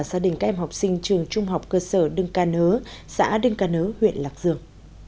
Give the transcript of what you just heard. gia đình các em học sinh trường trung học cơ sở đưng ca nớ xã đưng ca nớ huyện lạc dương